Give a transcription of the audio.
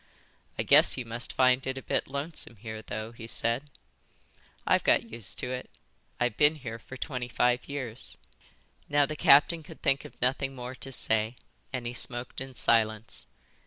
"I guess you must find it a bit lonesome here though," he said. "I've got used to it. I've been here for twenty five years." Now the captain could think of nothing more to say, and he smoked in silence.